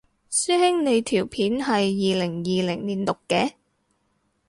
師兄你條片係二零二零年錄嘅？